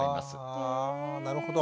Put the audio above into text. あなるほど。